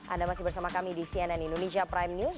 anda masih bersama kami di cnn indonesia prime news